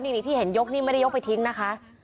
นี่ที่เห็นยกนี่ไม่ได้ยกไปทิ้งนะคะ